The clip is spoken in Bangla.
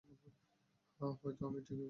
হ্যাঁঁ, হয়তো আমি ঠিকই করেছি।